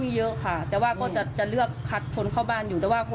สิ่งที่หลักเรด้าพัง